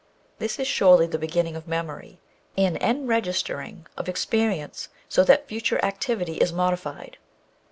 This is surely the beginning of memory an enregistering of experience so that future activity is modified.